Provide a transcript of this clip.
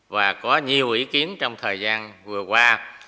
và có nhiều ý kiến trong thời gian vừa qua